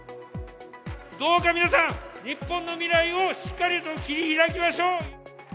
どうか皆さん、日本の未来をしっかりと切り開きましょう。